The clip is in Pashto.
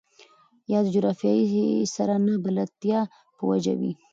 يا د جغرافيې سره نه بلدتيا په وجه وي.